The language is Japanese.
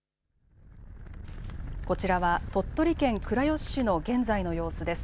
こちらは鳥取県倉吉市の現在の様子です。